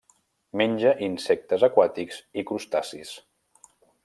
Menja insectes aquàtics i crustacis.